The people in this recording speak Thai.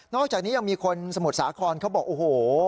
อกจากนี้ยังมีคนสมุทรสาครเขาบอกโอ้โห